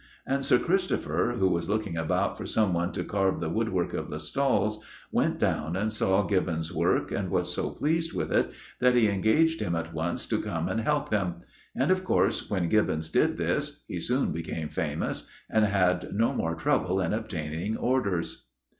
And Sir Christopher, who was looking about for someone to carve the woodwork of the stalls, went down and saw Gibbons' work, and was so pleased with it that he engaged him at once to come and help him. And of course, when Gibbons did this, he soon became famous, and had no more trouble in obtaining orders.